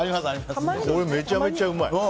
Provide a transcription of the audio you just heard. これめちゃめちゃうまい。